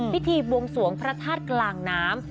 พิธีวงศวงภรรณ์พระธาตุกลางน้ำ